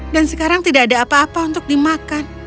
dan sekarang tidak ada apa apa untuk dimakan